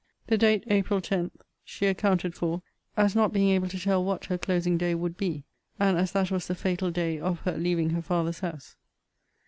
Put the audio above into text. The date, April 10, she accounted for, as not being able to tell what her closing day would be; and as that was the fatal day of her leaving her father's house.